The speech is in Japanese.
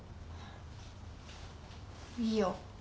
いいよ。